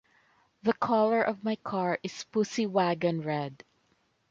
The color of my car is pussy waggon red.